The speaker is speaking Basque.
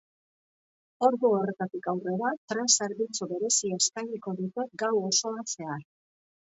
Ordu horretatik aurrera, tren zerbitzu berezia eskainiko dute gau osoan zehar.